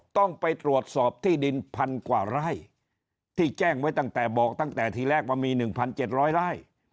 ต้องไปตรวจสอบที่ดินพันกว่าไร่ที่แจ้งไว้ตั้งแต่บอกตั้งแต่ทีแรกว่ามี๑๗๐๐ไร่